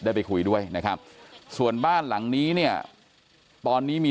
ไปคุยด้วยนะครับส่วนบ้านหลังนี้เนี่ยตอนนี้มี